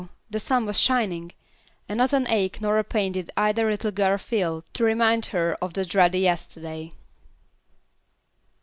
the sun was shining, and not an ache nor a pain did either little girl feel to remind her of the dreary yesterday.